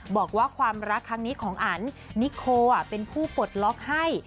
บอกว่าความรักครั้งนี้ของอันนิโคเป็นผู้ปลดล็อกให้